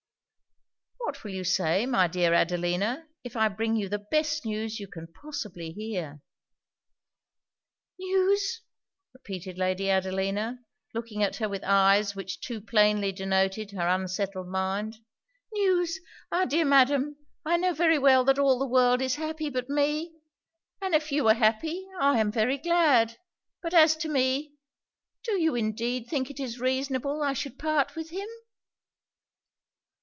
'What will you say, my dear Adelina, if I bring you the best news you can possibly hear?' 'News!' repeated Lady Adelina, looking at her with eyes which too plainly denoted her unsettled mind 'News! Ah! dear Madam! I know very well that all the world is happy but me; and if you are happy, I am very glad; but as to me Do you indeed think it is reasonable I should part with him?'